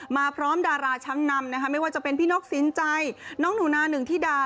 พร้อมดาราชั้นนำนะคะไม่ว่าจะเป็นพี่นกสินใจน้องหนูนาหนึ่งธิดา